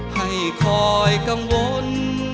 ให้คอยกังวล